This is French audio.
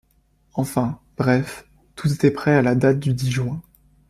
Enfin, bref, tout était prêt à la date du dix juin.